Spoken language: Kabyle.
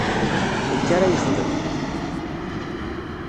Akka ara yexdem.